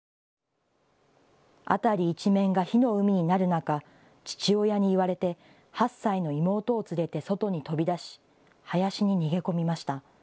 辺り一面が火の海になる中父親に言われて８歳の妹を連れて外に飛び出し林に逃げ込みました。